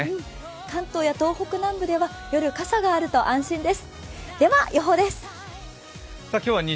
関東や東北南部では夜、傘があると安心です。